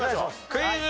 クイズ。